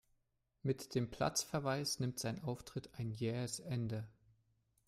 Mit dem Platzverweis nimmt sein Auftritt ein jähes Ende.